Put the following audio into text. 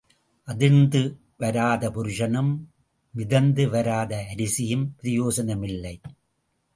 அதிர்ந்து வராத புருஷனும் மிதந்து வராத அரிசியும் பிரயோசனம் இல்லை.